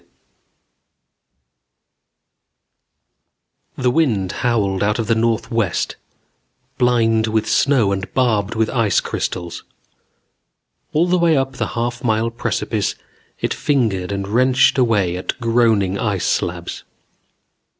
_ Illustrated by Schoenherr The wind howled out of the northwest, blind with snow and barbed with ice crystals. All the way up the half mile precipice it fingered and wrenched away at groaning ice slabs.